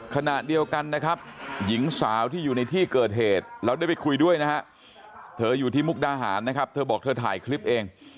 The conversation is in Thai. ขณะเดียวกันนะครับหญิงสาวที่อยู่ในที่เกิดเหตุเราได้ไปคุยด้วยนะฮะเธออยู่ที่มุกดาหารนะครับเธอบอกเธอถ่ายคลิปเอง